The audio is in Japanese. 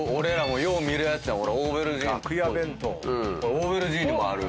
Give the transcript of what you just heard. オーベルジーヌもある。